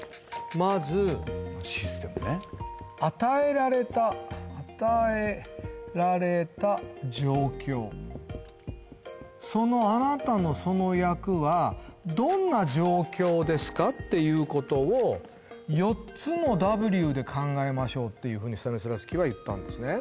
まずこのシステムね与えられた与えられた状況そのあなたのその役はどんな状況ですかっていうことを４つのＷで考えましょうっていうふうにスタニスラフスキーは言ったんですね